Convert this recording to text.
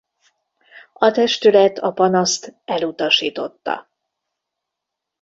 A testület a panaszt elutasította.